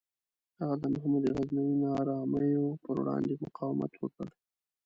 هغه د محمود غزنوي نارامیو پر وړاندې مقاومت وکړ.